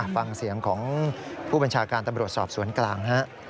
ฟังเสียงของผู้บัญชาการตำรวจสอบสวนกลางฮะ